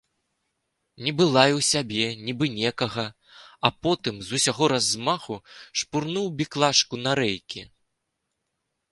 Нібы лаяў сябе, нібы некага, а потым з усяго размаху шпурнуў біклажку на рэйкі.